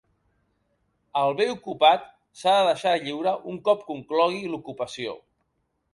El bé ocupat s'ha de deixar lliure un cop conclogui l'ocupació.